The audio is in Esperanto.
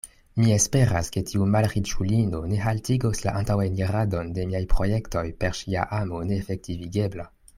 Mi esperas, ke tiu malriĉulino ne haltigos la antaŭeniradon de miaj projektoj per ŝia amo neefektivigebla.